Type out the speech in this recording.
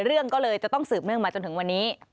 เรื่องก็เลยจะต้องสืบเนื่องมาจนถึงวันนี้